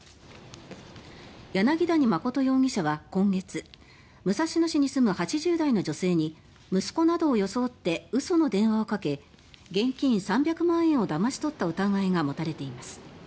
柳谷誠容疑者は今月武蔵野市に住む８０代の女性に息子などを装って嘘の電話をかけ現金３００万円をだまし取った疑いが持たれています。